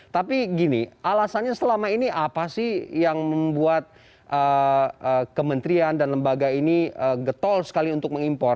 tapi gini alasannya selama ini apa sih yang membuat kementerian dan lembaga ini getol sekali untuk mengimpor